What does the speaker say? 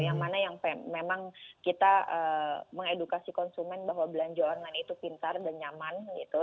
yang mana yang memang kita mengedukasi konsumen bahwa belanja online itu pintar dan nyaman gitu